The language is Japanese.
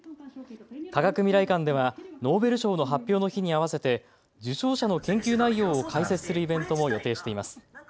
科学未来館ではノーベル賞の発表の日に合わせて受賞者の研究内容を解説するイベントも予定しています。